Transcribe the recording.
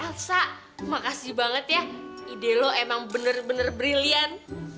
ah gue tau elsa makasih banget ya ide lo emang bener bener brilian